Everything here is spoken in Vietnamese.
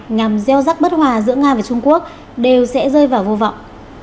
nhằm gieo rắc bất hòa giữa nga và trung quốc đều sẽ rơi vào vô vọng